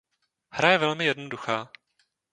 Hra je velmi jednoduchá.